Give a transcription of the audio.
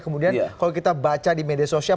kemudian kalau kita baca di media sosial